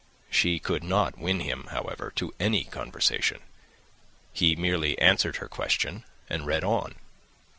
She could not win him, however, to any conversation; he merely answered her question and read on.